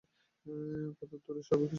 কথার তোড়ে সবকিছুই ভাসিয়ে নিতে চাইলাম।